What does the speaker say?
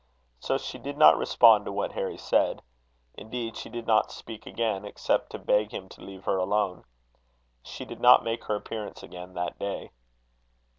So she did not respond to what Harry said. Indeed, she did not speak again, except to beg him to leave her alone. She did not make her appearance again that day.